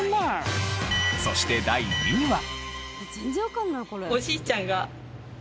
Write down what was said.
そして第２位は。